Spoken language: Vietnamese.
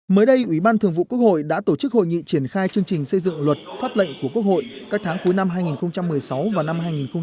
mới đây ủy ban thường vụ quốc hội đã tổ chức hội nghị triển khai chương trình xây dựng luật pháp lệnh của quốc hội các tháng cuối năm hai nghìn một mươi sáu và năm hai nghìn một mươi chín